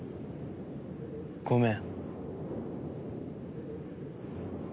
ごめん。